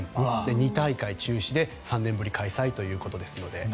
２大会中止で３年ぶり開催ということですので。